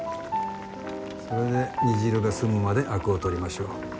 それで煮汁が澄むまであくを取りましょう。